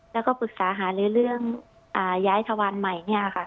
แล้วก็ปรึกษาหาเรื่องย้ายทวารใหม่